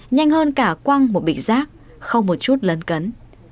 nhanh hơn cả quăng một bị rác không một chút lấn cấn